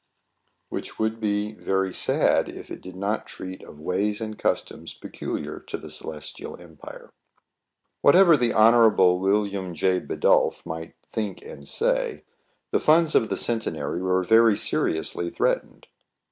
Which would be very sad if it did not treat of ways and customs peculiar to the ce lestial empire. Whatever the Honorable William J. Bidulph might think and say, the funds of the Centenary were very seriously threatened.